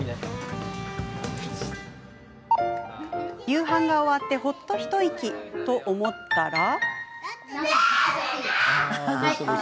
夕飯が終わって、ほっと一息と思ったら。